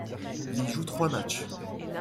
Il y joue trois matchs.